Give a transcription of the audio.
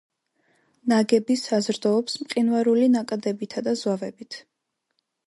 ნაგები საზრდოობს მყინვარული ნაკადებითა და ზვავებით.